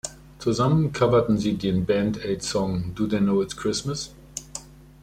Zusammen coverten sie den Band-Aid-Song "Do They Know It’s Christmas?